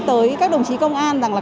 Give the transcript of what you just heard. tới các đồng chí công an rằng là